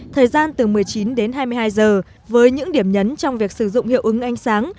thời gian từ một mươi chín đến hai mươi hai giờ với những điểm nhấn trong việc sử dụng hiệu ứng ánh sáng